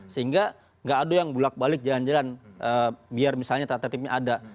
sehingga nggak ada yang bulat balik jalan jalan biar misalnya tata tertibnya ada